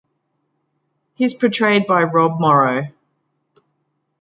He is portrayed by Rob Morrow.